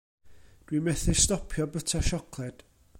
Dw i methu stopio byta siocled.